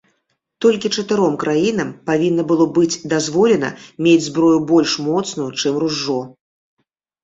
Толькі чатыром краінам павінна было быць дазволена мець зброю больш моцную, чым ружжо.